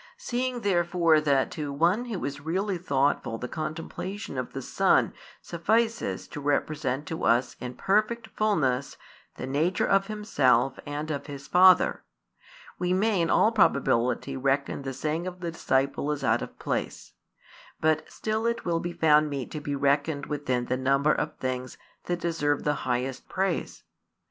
Seeing therefore that to one who is really thoughtful the contemplation of the Son suffices to represent to us in perfect fulness the nature of Himself and of His Father, we may in all probability reckon the saying of the disciple as out of place; but still it will be found meet to be reckoned within the number of things that deserve the highest praise.